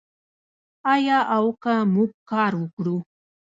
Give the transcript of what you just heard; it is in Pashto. آیا او که موږ کار وکړو؟